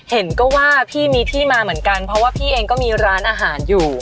เห็นก็ว่าพี่มีที่มาเหมือนกันเพราะว่าพี่เองก็มีร้านอาหารอยู่